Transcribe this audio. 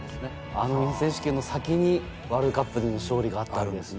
あの選手権の先にワールドカップでの勝利があったんですね。